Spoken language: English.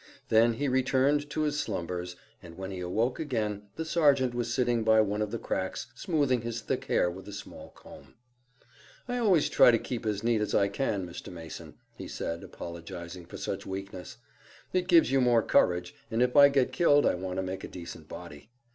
Then he returned to his slumbers, and when he awoke again the sergeant was sitting by one of the cracks smoothing his thick hair with a small comb. "I always try to keep as neat as I can, Mr. Mason," he said, apologizing for such weakness. "It gives you more courage, and if I get killed I want to make a decent body.